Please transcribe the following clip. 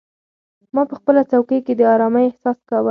ما په خپله څوکۍ کې د ارامۍ احساس کاوه.